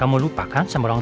jam berapa sekarang